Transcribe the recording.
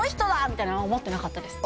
みたいなのは思ってなかったです